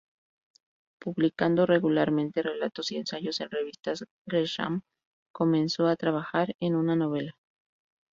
Publicando regularmente relatos y ensayos en revistas, Gresham comenzó a trabajar en una novela.